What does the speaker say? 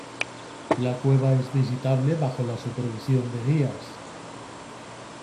La cueva es visitable bajo la supervisión de guías.